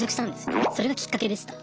それがきっかけでした。